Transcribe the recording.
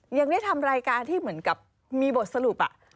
ยังได้ทำรายการที่เหมือนกับมีบทสรุป